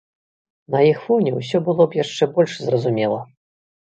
На іх фоне ўсё было б яшчэ больш зразумела.